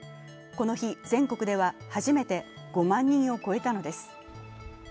この日、全国では初めて５万人を超えたのです。